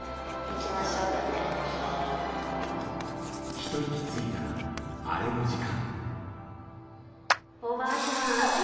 ひと息ついたらあれの時間